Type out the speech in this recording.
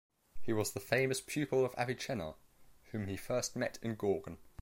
He was the famous pupil of Avicenna, whom he first met in Gorgan.